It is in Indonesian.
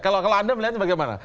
kalau anda melihat bagaimana